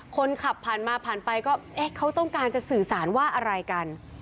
คนขับผ่านมาผ่านไปก็เอ๊ะเขาต้องการจะสื่อสารว่าอะไรกัน